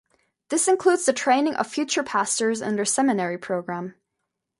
This includes the training of future pastors in their seminary program.